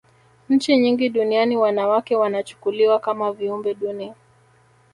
nchi nyingi duniani wanawake wanachukuliwa kama viumbe duni